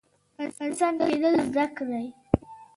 انسان کیدل زده کړئ